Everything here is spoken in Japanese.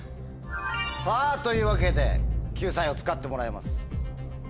さぁというわけで救済を使ってもらいます。